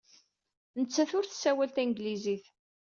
Nettat ur tessawal tanglizit.